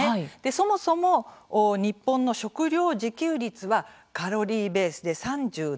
そもそも日本の食料自給率はカロリーベースで３７％。